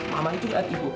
mama itu lihat ibu